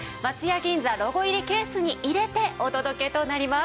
銀座ロゴ入りケースに入れてお届けとなります。